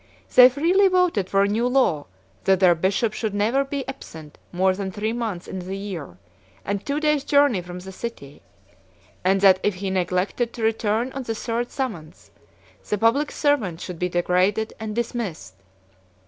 They freely voted for a new law, that their bishop should never be absent more than three months in the year, and two days' journey from the city; and that if he neglected to return on the third summons, the public servant should be degraded and dismissed.